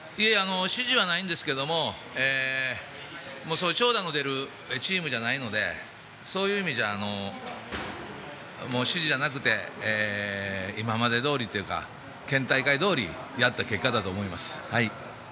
指示はないんですけども長打の出るチームじゃないのでそういう意味じゃ指示じゃなくて今までどおりやった結果だと思います。